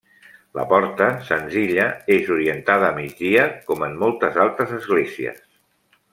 La porta, senzilla, és orientada a migdia, com en moltes altres esglésies.